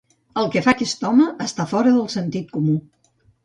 El que fa aquest home està fora del sentit comú.